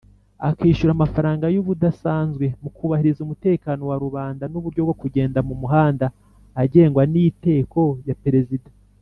akishyura mafaranga y’ubudasanzwe mukubahiriza umutekano wa rubanda n’uburyo bwo kugenda mu muhanda agenwa n’iteko ya perezida